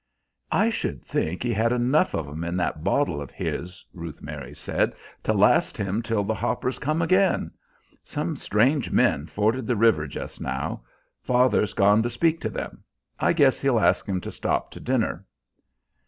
"I should think he had enough of 'em in that bottle of his," Ruth Mary said, "to last him till the 'hoppers come again. Some strange men forded the river just now. Father's gone to speak to them. I guess he'll ask 'em to stop to dinner."